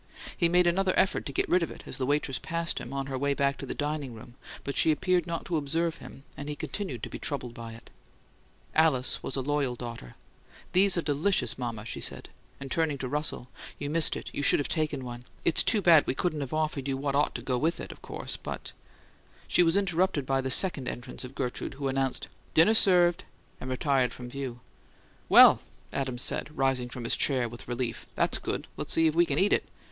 He made another effort to get rid of it as the waitress passed him, on her way back to the dining room, but she appeared not to observe him, and he continued to be troubled by it. Alice was a loyal daughter. "These are delicious, mama," she said; and turning to Russell, "You missed it; you should have taken one. Too bad we couldn't have offered you what ought to go with it, of course, but " She was interrupted by the second entrance of Gertrude, who announced, "Dinner serve'," and retired from view. "Well, well!" Adams said, rising from his chair, with relief. "That's good! Let's go see if we can eat it."